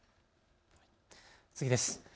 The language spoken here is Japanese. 次です。